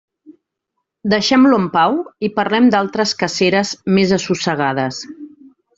Deixem-lo en pau i parlem d'altres caceres més assossegades.